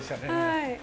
はい。